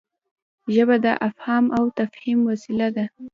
ژبه د افهام او تفهيم وسیله ده.